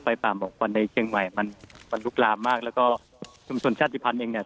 ป่าหมอกควันในเชียงใหม่มันมันลุกลามมากแล้วก็ชุมชนชาติภัณฑ์เองเนี่ย